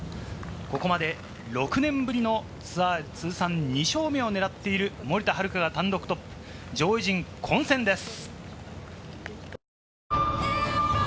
ここまで６年ぶりのツアー通算２勝目を狙っている森田遥が単独トップ、上位陣の混戦です。